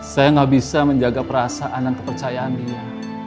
saya nggak bisa menjaga perasaan dan kepercayaan dia